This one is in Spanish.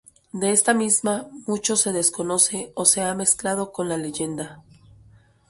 De esta misma mucho se desconoce o se ha mezclado con la leyenda.